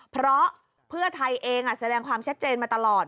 เพราะเพื่อไทยเองแสดงความชัดเจนมาตลอด